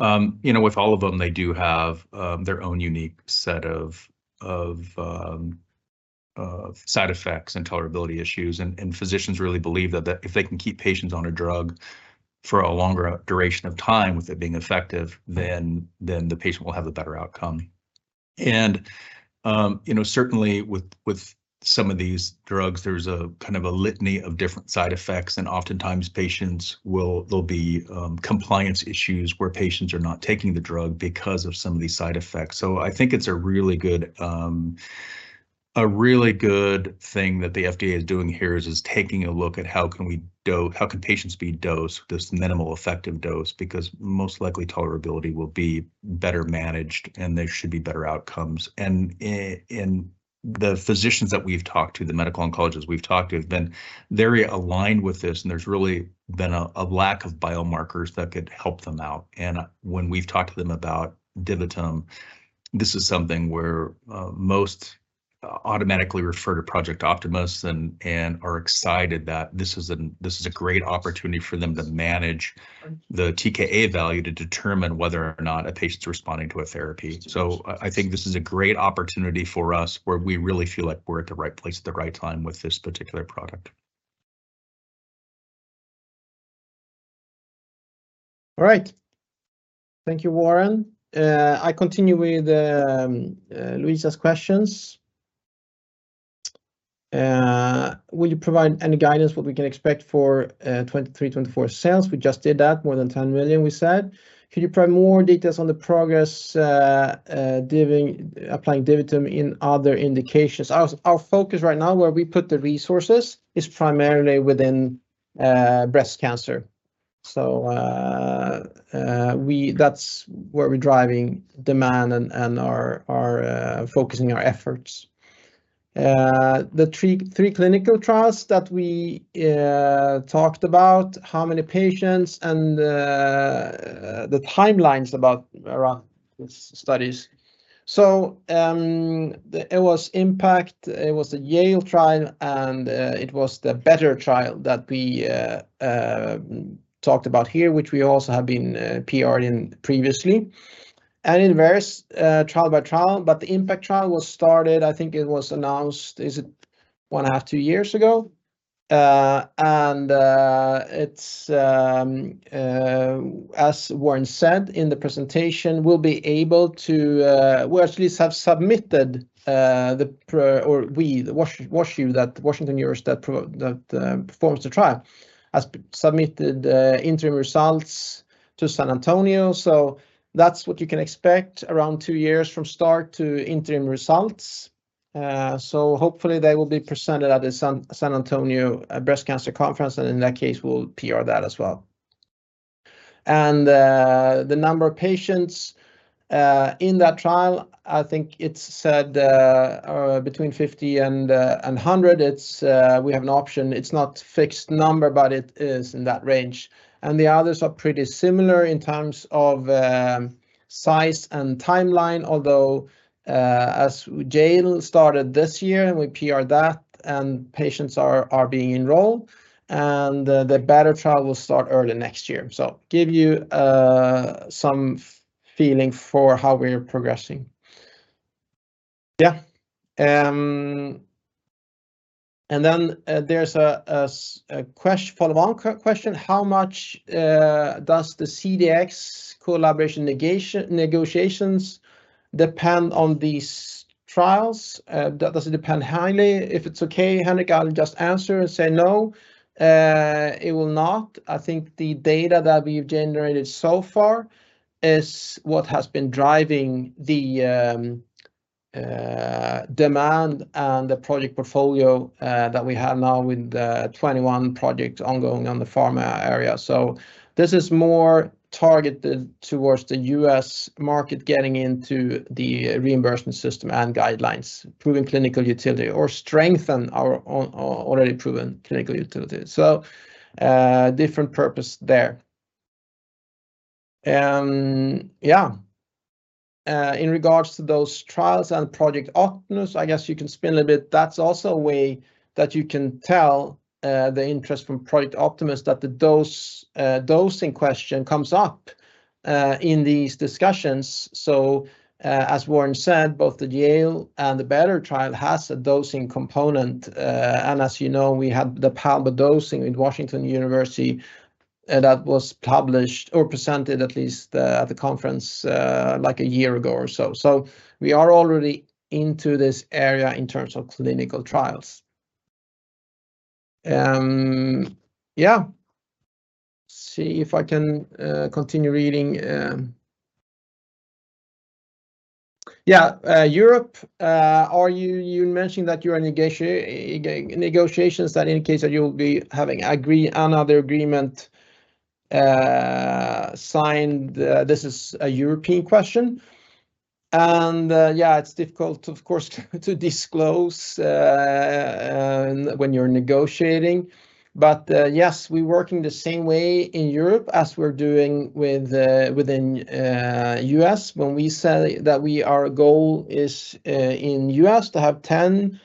you know, with all of them, they do have their own unique set of side effects and tolerability issues. Physicians really believe that if they can keep patients on a drug for a longer duration of time, with it being effective, then the patient will have a better outcome. You know, certainly with some of these drugs, there's a kind of a litany of different side effects, and oftentimes there'll be compliance issues where patients are not taking the drug because of some of these side effects. So I think it's a really good thing that the FDA is doing here is taking a look at how patients can be dosed this minimal effective dose, because most likely tolerability will be better managed, and there should be better outcomes. In the physicians that we've talked to, the medical oncologists we've talked to, have been very aligned with this, and there's really been a lack of biomarkers that could help them out. When we've talked to them about DiviTum, this is something where most automatically refer to Project Optimus and are excited that this is a great opportunity for them to manage the TKa value to determine whether or not a patient's responding to a therapy. So I, I think this is a great opportunity for us, where we really feel like we're at the right place at the right time with this particular product. All right. Thank you, Warren. I continue with Luisa's questions. Will you provide any guidance what we can expect for 2023, 2024 sales? We just did that, more than 10 million, we said. Can you provide more details on the progress applying DiviTum in other indications? Our focus right now, where we put the resources, is primarily within breast cancer. So, that's where we're driving demand and are focusing our efforts. The three clinical trials that we talked about, how many patients and the timelines about around these studies. So, it was TKa-IMPACT, it was the Yale trial, and it was the Better trial that we talked about here, which we also have been PR'd in previously. It varies, trial by trial, but the IMPACT trial was started, I think it was announced, is it 1.5-two years ago? And it's, as Warren said in the presentation, we'll be able to, well, at least have submitted the PR or we, the WashU, that Washington University that performs the trial, has submitted interim results to San Antonio. So that's what you can expect, around two years from start to interim results. So hopefully they will be presented at the San Antonio Breast Cancer Conference, and in that case, we'll PR that as well. And the number of patients in that trial, I think it's said between 50 and 100. It's we have an option. It's not fixed number, but it is in that range. And the others are pretty similar in terms of size and timeline, although as Yale started this year, and we PR'd that, and patients are being enrolled, and the Better trial will start early next year. So give you some feeling for how we're progressing. Yeah. And then there's a follow-on question: How much does the CDx collaboration negotiations depend on these trials? Does it depend highly? If it's okay, Henrik, I'll just answer and say, no, it will not. I think the data that we've generated so far is what has been driving the demand and the project portfolio that we have now with the 21 projects ongoing on the pharma area. So this is more targeted towards the U.S. market, getting into the reimbursement system and guidelines, proving clinical utility or strengthen our own, our already proven clinical utility. So, different purpose there. Yeah, in regards to those trials and Project Optimus, I guess you can speak a little bit. That's also a way that you can tell, the interest from Project Optimus, that the dose, dosing question comes up, in these discussions. So, as Warren said, both the Yale and the Better trial has a dosing component, and as you know, we had the Palbo dosing in Washington University, that was published or presented at least, at the conference, like a year ago or so. So we are already into this area in terms of clinical trials.... Yeah. See if I can continue reading. Yeah, Europe, you mentioned that you are in negotiations, that indicates that you'll be having another agreement signed. This is a European question, and yeah, it's difficult, of course, to disclose when you're negotiating. But yes, we're working the same way in Europe as we're doing within the U.S. When we say that our goal is in the U.S. to have 10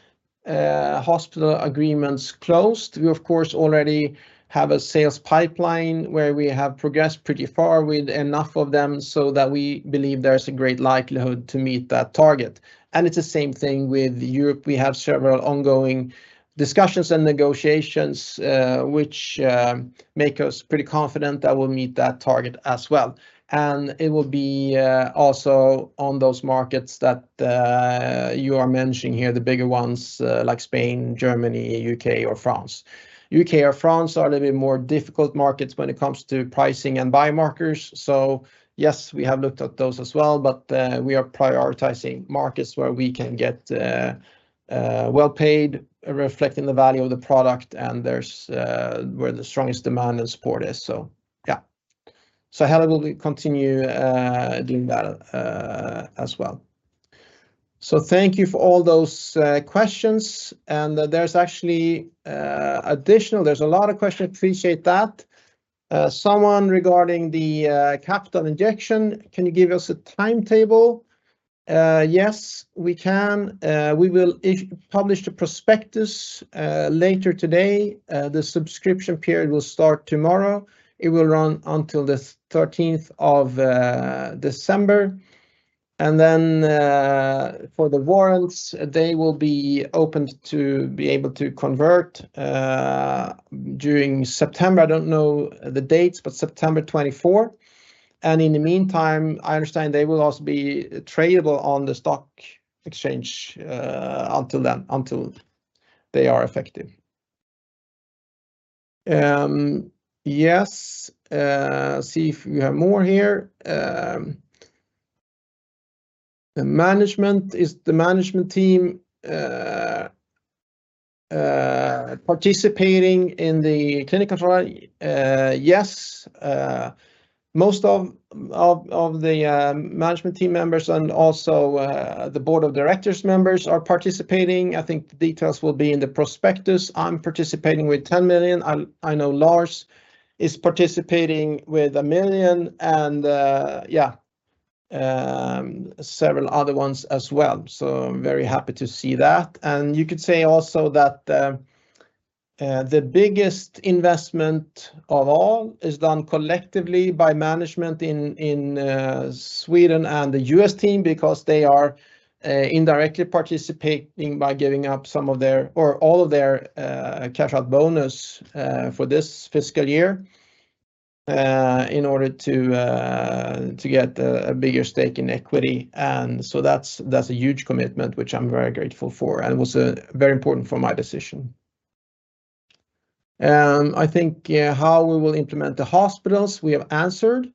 hospital agreements closed, we, of course, already have a sales pipeline where we have progressed pretty far with enough of them, so that we believe there's a great likelihood to meet that target. And it's the same thing with Europe. We have several ongoing discussions and negotiations which make us pretty confident that we'll meet that target as well. It will be also on those markets that you are mentioning here, the bigger ones, like Spain, Germany, U.K., or France. U.K. or France are a little bit more difficult markets when it comes to pricing and biomarkers. So yes, we have looked at those as well, but we are prioritizing markets where we can get well-paid, reflecting the value of the product, and there's where the strongest demand and support is. So, yeah. So Helle, will we continue doing that as well? So thank you for all those questions, and there's actually additional, there's a lot of questions. Appreciate that. Someone regarding the capital injection, "Can you give us a timetable?" Yes, we can. We will publish the prospectus later today. The subscription period will start tomorrow. It will run until the 13th of December, and then, for the warrants, they will be opened to be able to convert during September. I don't know the dates, but September 24th. And in the meantime, I understand they will also be tradable on the stock exchange until then, until they are effective. Yes, see if we have more here. The management, "Is the management team participating in the clinical trial?" Yes, most of the management team members and also the board of directors members are participating. I think the details will be in the prospectus. I'm participating with 10 million. I know Lars is participating with one million and, yeah, several other ones as well. So I'm very happy to see that. And you could say also that the biggest investment of all is done collectively by management in Sweden and the U.S. team because they are indirectly participating by giving up some of their or all of their cash out bonus for this fiscal year in order to get a bigger stake in equity. So that's a huge commitment, which I'm very grateful for, and it was very important for my decision. I think, yeah, how we will implement the hospitals, we have answered.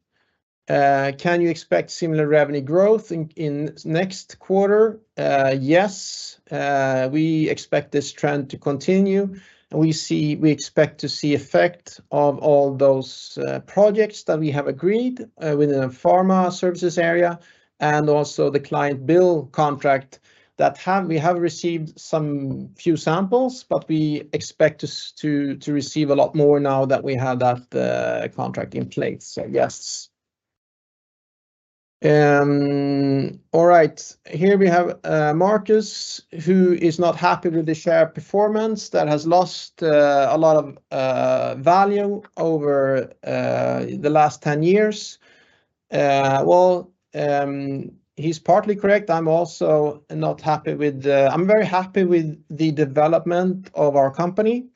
Can you expect similar revenue growth in, in next quarter?" Yes, we expect this trend to continue, and we expect to see effect of all those projects that we have agreed within the pharma services area and also the client bill contract that we have received some few samples, but we expect us to, to receive a lot more now that we have that contract in place. So, yes. All right, here we have Marcus, who is not happy with the share performance that has lost a lot of value over the last 10 years. Well, he's partly correct. I'm also not happy with the... I'm very happy with the development of our company.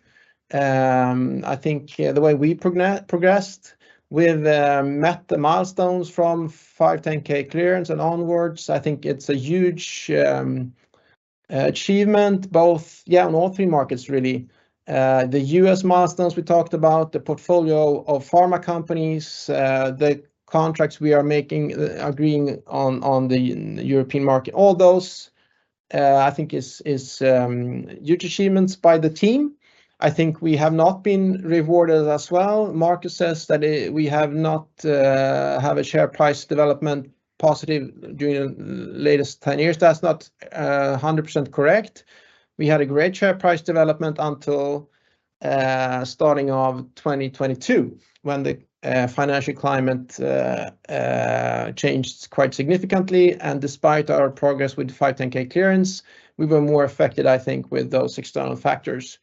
I think the way we progressed with met the milestones from 510(k) clearance and onwards, I think it's a huge achievement, both, yeah, in all three markets, really. The U.S. milestones, we talked about the portfolio of pharma companies, the contracts we are making, agreeing on the European market. All those, I think is huge achievements by the team. I think we have not been rewarded as well. Marcus says that we have not have a share price development positive during the latest 10 years. That's not a 100% correct. We had a great share price development until starting of 2022, when the financial climate changed quite significantly. Despite our progress with 510(k) clearance, we were more affected, I think, with those external factors.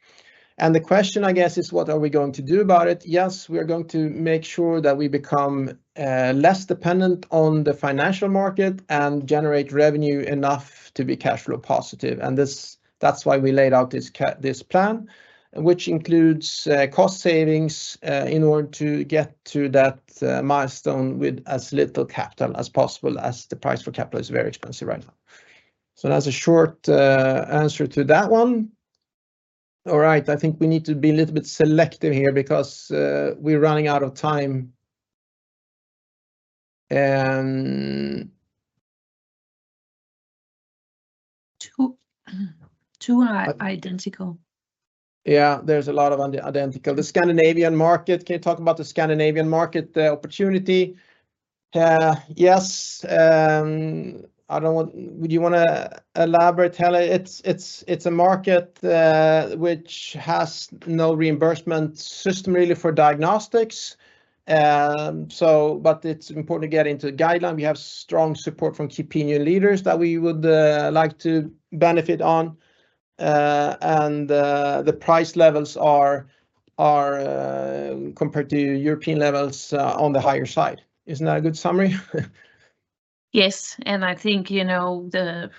And the question, I guess, is: what are we going to do about it? Yes, we are going to make sure that we become less dependent on the financial market and generate revenue enough to be cash flow positive. And that's why we laid out this plan, which includes cost savings in order to get to that milestone with as little capital as possible, as the price for capital is very expensive right now. So that's a short answer to that one. All right, I think we need to be a little bit selective here because we're running out of time. two, two identical. Yeah, there's a lot of identical. "The Scandinavian market, can you talk about the Scandinavian market, the opportunity?" Yes, I don't want... Do you wanna elaborate, Helle? It's a market which has no reimbursement system really for diagnostics. So but it's important to get into the guideline. We have strong support from key opinion leaders that we would like to benefit on. And the price levels are compared to European levels on the higher side. Isn't that a good summary? Yes, and I think, you know, the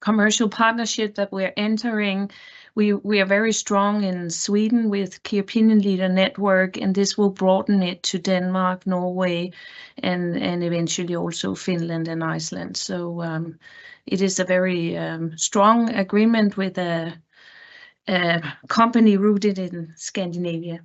commercial partnership that we're entering, we are very strong in Sweden with key opinion leader network, and this will broaden it to Denmark, Norway, and eventually also Finland and Iceland. So, it is a very strong agreement with a company rooted in Scandinavia.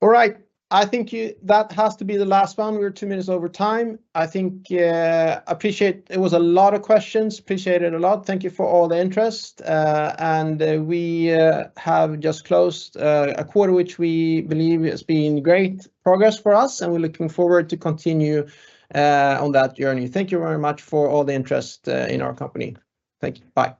All right. I think that has to be the last one. We're two minutes over time. I think, appreciate. It was a lot of questions. Appreciate it a lot. Thank you for all the interest. And we have just closed a quarter, which we believe has been great progress for us, and we're looking forward to continue on that journey. Thank you very much for all the interest in our company. Thank you. Bye.